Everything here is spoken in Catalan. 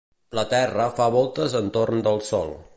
La Terra fa voltes entorn del Sol.